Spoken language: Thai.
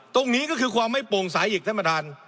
ตรงนี้ก็คือความไม่โปร่งใสอีกท่านประธาน